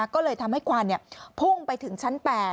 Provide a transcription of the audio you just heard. ก็เลยทำให้ควันพุ่งไปถึงชั้น๘